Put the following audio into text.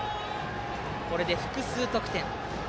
これで複数得点。